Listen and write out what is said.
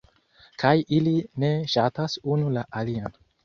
kaj ili ne ŝatas unu la alian